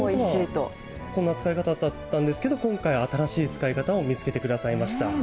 そんな使い方だったんですけれども、今回、新しい使い方を見つけてくださいました。